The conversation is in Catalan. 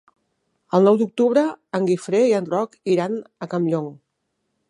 El nou d'octubre en Guifré i en Roc iran a Campllong.